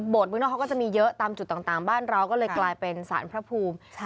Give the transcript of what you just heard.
เมืองนอกเขาก็จะมีเยอะตามจุดต่างบ้านเราก็เลยกลายเป็นสารพระภูมิ